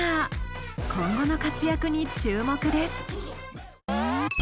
今後の活躍に注目です。